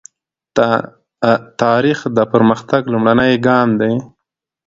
تاریخ د پرمختګ لومړنی ګام دی.